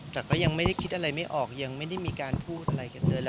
แต่ก็ยังไม่ได้คิดอะไรไม่ออกยังไม่ได้มีการพูดอะไรกันเลย